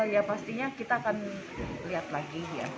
ya pastinya kita akan lihat lagi di akhirnya